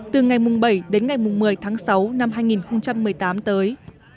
từ ngày bảy đến ngày một mươi tháng sáu năm hai nghìn một mươi tám tới